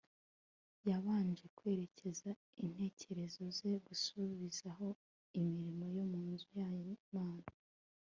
yabanje kwerekeza intekerezo ze gusubizaho imirimo yo mu nzu y'imana